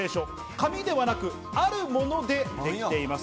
紙ではなくあるものでできています。